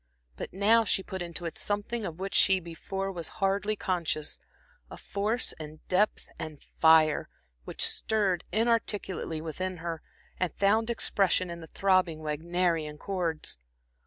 But now she put into it something of which she before was hardly conscious, a force and depth and fire, which stirred inarticulately within her, and found expression in the throbbing Wagnerian chords.